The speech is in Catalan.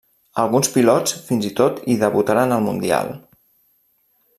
Alguns pilots fins i tot hi debutaren al Mundial.